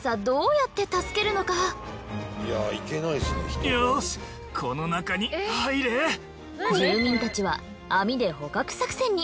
しかしこの高さ住民たちは網で捕獲作戦に。